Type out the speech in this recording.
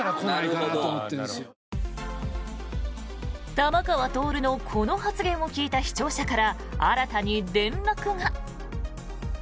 玉川徹のこの発言を聞いた視聴者から新たに連絡が。